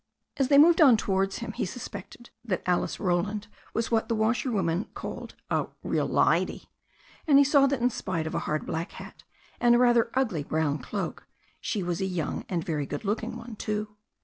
As they moved on towards him he suspected that Alice Roland was what the washerwomen called a "real lydy," and he saw that in spite of a hard black hat, and a rather ugly brown cloak, she was a young and very good looking one too.